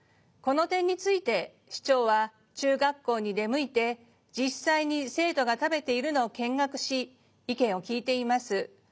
この点について市長は中学校に出向いて実際に生徒が食べているのを見学し意見を聞いています。